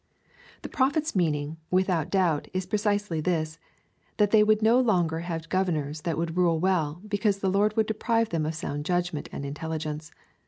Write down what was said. The Prophet's meaning, without doubt, is precisely this, that they would no longer have governors that would rule well, because the Lord will deprive them of sound judgment and intelligence.